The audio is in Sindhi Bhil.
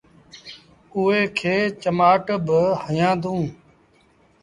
اُئي کي چمآٽ با هيآندونٚ۔